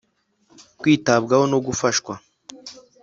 Kwitabwaho no gufashwa